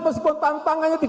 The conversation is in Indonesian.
meskipun tantangannya tidak